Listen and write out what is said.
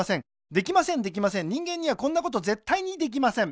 できませんできません人間にはこんなことぜったいにできません